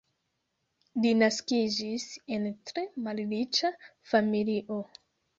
Li naskiĝis en tre malriĉa familio.